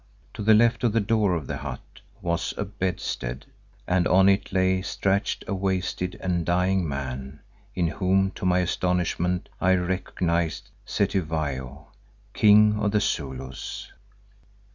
To the left of the door of the hut was a bedstead and on it lay stretched a wasted and dying man, in whom, to my astonishment, I recognised Cetywayo, King of the Zulus.